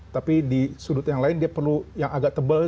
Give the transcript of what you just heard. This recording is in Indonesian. tapi di sudut yang lain dia perlu yang agak tebal